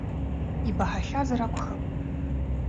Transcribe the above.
Ибаҳахьазар акәхап.